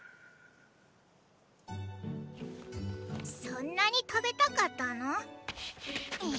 そんなに食べたかったの？